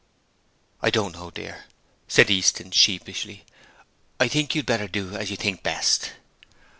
'I don't know, dear,' said Easton, sheepishly. 'I think you'd better do as you think best.'